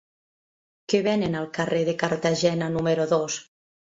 Què venen al carrer de Cartagena número dos?